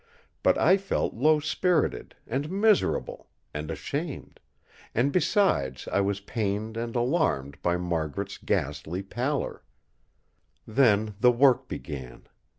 But I felt low spirited, and miserable, and ashamed; and besides I was pained and alarmed by Margaret's ghastly pallor. Then the work began.